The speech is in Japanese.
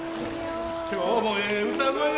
今日もええ歌声やなあ。